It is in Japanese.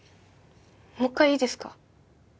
もう一回いいですか？